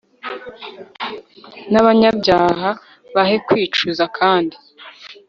n'abanyabyaha bahe kwicuza, kandi